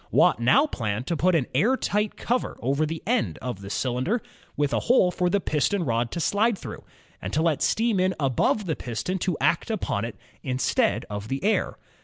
Watt now planned to put an air tight cover over the end of the cylinder, with a hole for the piston rod to slide through, and to let steam in above the piston to act upon it, instead of the air.